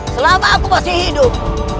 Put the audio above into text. selama aku masih hidup